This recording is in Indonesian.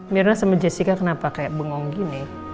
mirna sama jessica kenapa kayak bengong gini